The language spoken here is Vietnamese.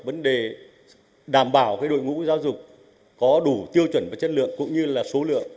vấn đề đảm bảo đội ngũ giáo dục có đủ tiêu chuẩn và chất lượng cũng như là số lượng